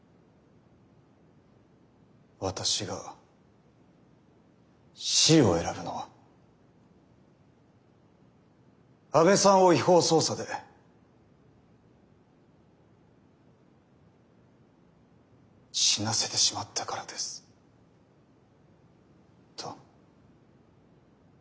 「私が死を選ぶのは阿部さんを違法捜査で死なせてしまったからです」と。